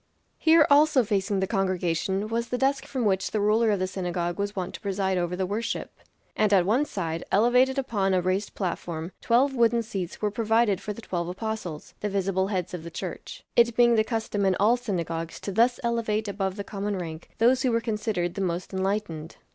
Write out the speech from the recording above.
Here also facing the congregation was the desk from which the ruler of the synagogue was wont to preside over the worship; and at one side, elevated upon a raised platform, twelve wooden seats were provided for the twelve apostles the visible heads of the Church; it being the custom in all synagogues to thus elevate above the common rank those who were considered the most enlightened.